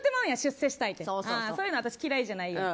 そういうの私、嫌いじゃない。